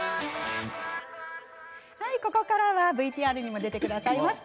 ここからはＶＴＲにも出てくださいました